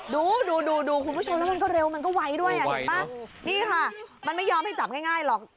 ดูดูดูคุณผู้ชมแล้วมันก็เร็วมันก็ไวด้วยอ่ะเห็นป่ะนี่ค่ะมันไม่ยอมให้จับง่ายหรอก